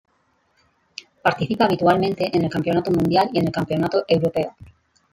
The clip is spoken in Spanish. Participa habitualmente en el campeonato mundial y en el campeonato europeo.